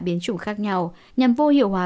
biến trùng khác nhau nhằm vô hiệu hóa